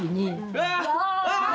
うわ！